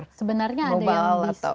sebenarnya ada yang bisa